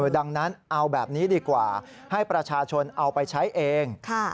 ดังนั้นเอาแบบนี้ดีกว่าให้ประชาชนเอาไปใช้เอง